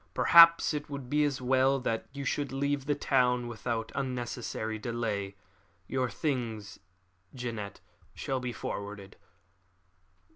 Perhaps it would be as well that you should leave the town without unnecessary delay. Your things, Jeannette, shall be forwarded."